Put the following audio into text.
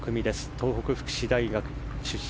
東北福祉大学出身。